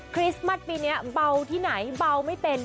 คริสต์มัสปีนี้เบาที่ไหนเบาไม่เป็น